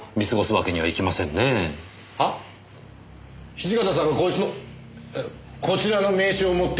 土方さんこいつのこちらの名刺を持っていた？